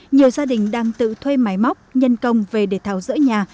nhiều gia đình đang tự thuê máy móc nhân công về để tháo rỡ nhà